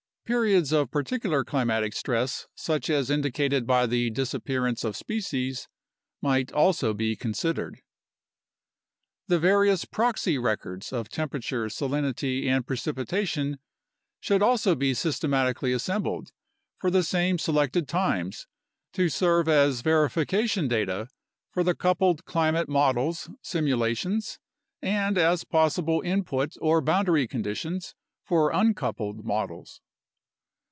Periods of particular climatic stress such as indicated by the disappearance of species might also be considered. The various proxy records of temperature, salinity, and precipita tion should also be systematically assembled for the same selected A NATIONAL CLIMATIC RESEARCH PROGRAM 89 times, to serve as verification data for the coupled climate models' simu lations and as possible input or boundary conditions for uncoupled models.